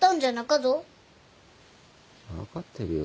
分かってるよ